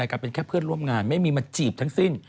เมื่อกำแนะการเป็นเพื่อนร่วมงานไม่มีมาจีบทั้งสิ้น